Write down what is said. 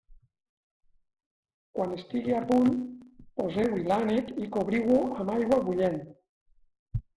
Quan estigui a punt, poseu-hi l'ànec i cobriu-ho amb aigua bullent.